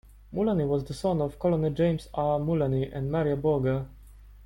Mullany was the son of Colonel James R. Mullany and Maria Burger.